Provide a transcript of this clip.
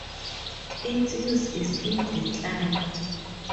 Its use is in decline.